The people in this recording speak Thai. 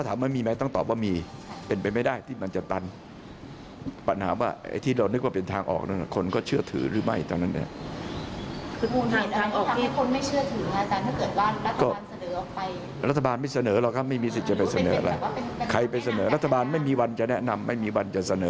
ไม่มีวันจะแนะนำไม่มีวันจะเสนอ